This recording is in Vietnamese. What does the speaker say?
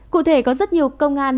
cụ thể có rất nhiều công an